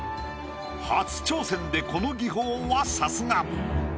初挑戦でこの技法はさすが。